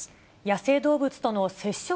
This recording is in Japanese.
野生動物との接触